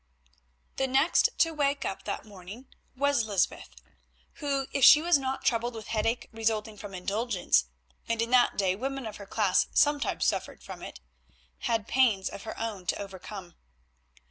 The next to wake up that morning was Lysbeth, who, if she was not troubled with headache resulting from indulgence—and in that day women of her class sometimes suffered from it—had pains of her own to overcome.